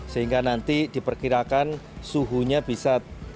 sehingga nanti diperkirakan suhunya bisa